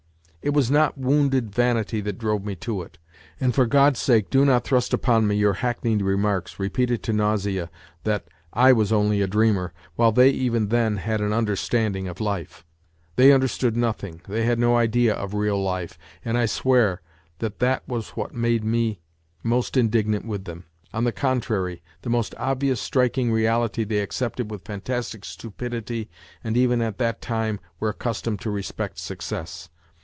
It was not wounded vanity that drove me to it, and for God's sake do not thrust upon me your hackneyed remarks, repeated to nausea, that " I was only a dreamer," while they even then had an understanding of life. They understood nothing, they had no idea of real life, and I swear that that was what made me most indignant with them. On the contrary, the most obvious, striking reality they accepted with fantastic stupidity and even at that time were accustomed to respect success.